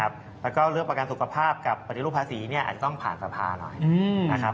แล้วก็เลือกประกันสุขภาพกับปฏิรูปภาษีอาจจะต้องผ่านสภาหน่อย